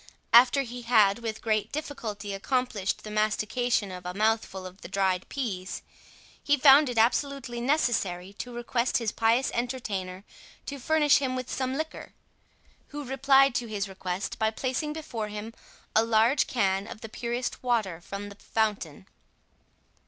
After he had with great difficulty accomplished the mastication of a mouthful of the dried pease, he found it absolutely necessary to request his pious entertainer to furnish him with some liquor; who replied to his request by placing before him a large can of the purest water from the fountain.